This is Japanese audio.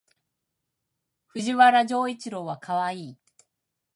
藤原丈一郎はかわいい